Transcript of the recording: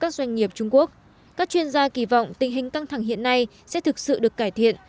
các doanh nghiệp trung quốc các chuyên gia kỳ vọng tình hình căng thẳng hiện nay sẽ thực sự được cải thiện